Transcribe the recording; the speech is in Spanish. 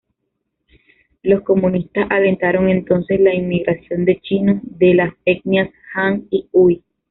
Los comunistas alentaron entonces la inmigración de chinos de las etnias han y hui.